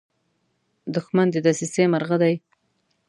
دښمن د دسیسې مرغه دی